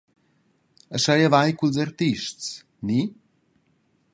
Aschia va ei culs artists, ni?